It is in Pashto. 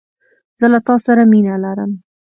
زه له تا سره مینه لرم